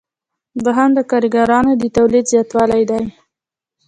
دوهم د کاریګرانو د تولید زیاتول دي.